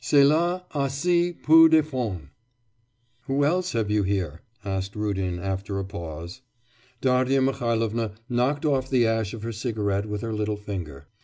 cela a assez peu de fond!_' 'Who else have you here?' asked Rudin, after a pause. Darya Mihailovna knocked off the ash of her cigarette with her little finger.